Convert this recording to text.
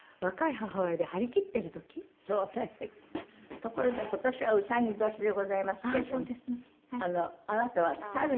ところで今年は卯年でございますけれどもあなたは猿に。